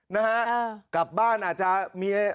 นะฮะกลับบ้านอาจจะเมีย